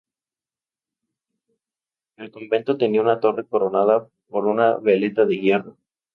El convento tenía una torre coronada por una veleta de hierro.